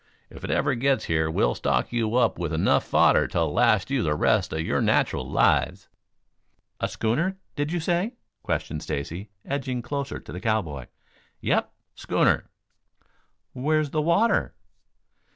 If it ever gets here we'll stock you up with enough fodder to last you the rest of your natural lives." "A schooner, did you say?" questioned Stacy, edging closer to the cowboy. "Yep; schooner." "Where's the water?"